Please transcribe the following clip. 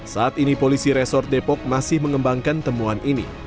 saat ini polisi resort depok masih mengembangkan temuan ini